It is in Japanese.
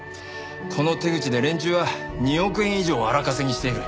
この手口で連中は２億円以上を荒稼ぎしている。